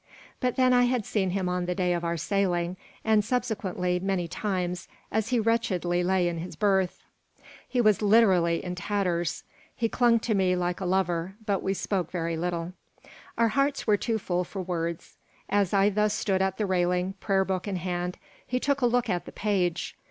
But then I had seen him on the day of our sailing and subsequently, many times, as he wretchedly lay in his berth. He was literally in tatters. He clung to me like a lover, but we spoke very little. Our hearts were too full for words As I thus stood at the railing, prayer book in hand, he took a look at the page.